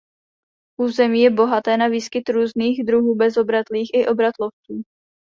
Území je bohaté na výskyt různých druhů bezobratlých i obratlovců.